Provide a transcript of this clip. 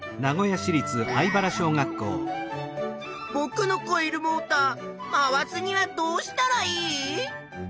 ぼくのコイルモーター回すにはどうしたらいい？